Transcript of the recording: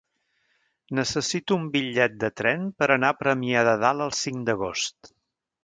Necessito un bitllet de tren per anar a Premià de Dalt el cinc d'agost.